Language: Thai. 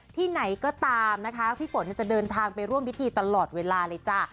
ที่ไหนก็ตามนะคะพี่ฝนจะเดินทางไปร่วมพิธีตลอดเวลาเลยจ้ะ